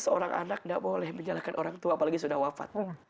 seorang anak tidak boleh menyalahkan orang tua apalagi sudah wafat